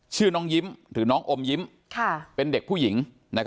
ชื่อน้องยิ้มหรือน้องอมยิ้มเป็นเด็กผู้หญิง